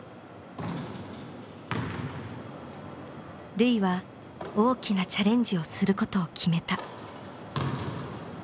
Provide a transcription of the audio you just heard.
瑠唯は大きなチャレンジをすることを決めた。